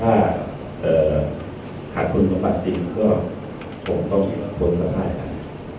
ถ้าขาดคุณสมบัติจริงก็คงต้องมีคนสามารถครับ